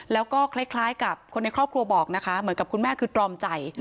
แล้วก็คล้ายกับคนในครอบครัวบอกนะคะเหมือนกับคุณแม่คือตรอมใจ